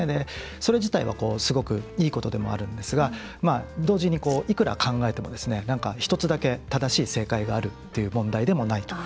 それ自体はすごくいいことでもあるんですが同時に、いくら考えても１つだけ正しい正解があるという問題でもないと。